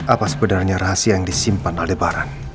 apa sebenarnya rahasia yang disimpan aldebaran